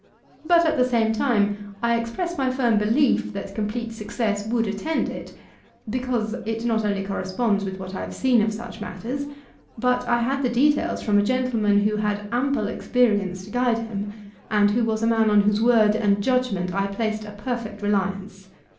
But, at the same time, I express my firm belief, that complete success would attend it; because it not only corresponds with what I have seen of such matters; but I had the details from a gentleman who had ample experience to guide him, and who was a man on whose word and judgment I placed a perfect reliance.